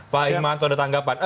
pak irmanto ada tanggapan